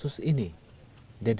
kami ingin mengungkap kasus ini